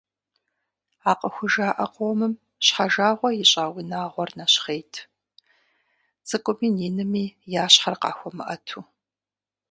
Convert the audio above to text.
А къыхужаӀэ къомым щхьэжагъуэ ищӀа унагъуэр нэщхъейт, цӀыкӀуми инми я щхьэр къахуэмыӀэту.